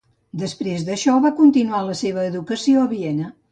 Després d'això va continuar la seva educació a Viena.